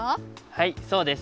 はいそうです。